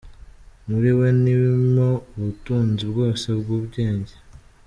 Muri we ni mo ubutunzi bwose bw’ubwenge